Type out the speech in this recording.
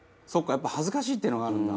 やっぱ恥ずかしいっていうのがあるんだ」